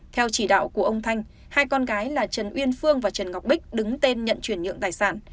theo chỉ đạo của ông thanh hai con gái là trần uyên phương và trần ngọc bích đứng tên nhận chuyển nhượng tài sản